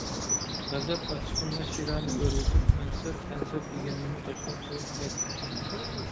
غەزەپ ئاچچىقىمدا شىرەنى ئۆرۈۋېتىپ، مەنسەپ - پەنسەپ دېگەننىمۇ تاشلاپ قويۇپ قايتىپ چۈشتۈم.